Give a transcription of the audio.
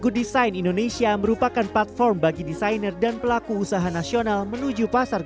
good design indonesia merupakan platform bagi desainer dan pelaku usaha nasional menuju pasar